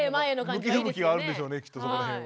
向き不向きがあるんでしょうねきっと。